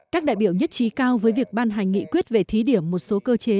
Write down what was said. các đại biểu nhất trí cao với việc ban hành nghị quyết về thí điểm một số cơ chế